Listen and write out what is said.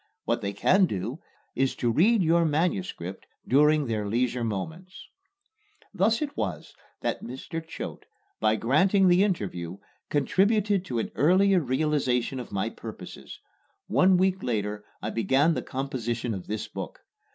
What they can do is to read your manuscript during their leisure moments." Thus it was that Mr. Choate, by granting the interview, contributed to an earlier realization of my purposes. One week later I began the composition of this book.